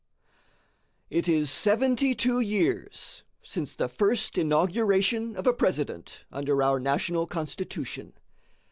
It is seventy two years since the first inauguration of a President under our national Constitution.